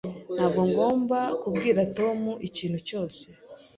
Ntabwo ngomba kubwira Tom ikintu cyose.